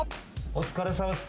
お疲れさまです。